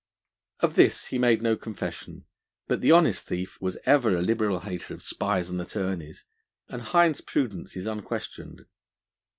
Of this he made no confession, but the honest thief was ever a liberal hater of spies and attorneys, and Hind's prudence is unquestioned.